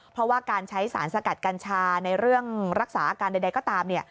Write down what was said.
เพราะว่าการใช้สารสกัดกัญชาในเรื่องรักษาอาการใดก็ตาม